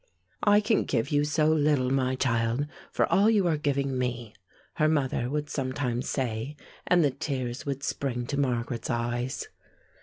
"I can give you so little, my child, for all you are giving me," her mother would sometimes say; and the tears would spring to Margaret's eyes.